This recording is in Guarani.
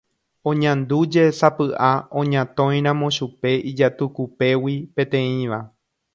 Oñandújesapy'a oñatõiramo chupe ijatukupégui peteĩva.